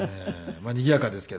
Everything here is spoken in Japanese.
まあにぎやかですけど。